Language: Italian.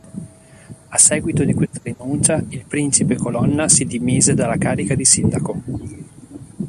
A seguito di questa rinuncia, il principe Colonna si dimise dalla carica di Sindaco.